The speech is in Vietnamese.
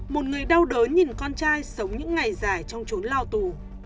một người đau đớn nhìn con trai sống những ngày dài trong trốn lao tù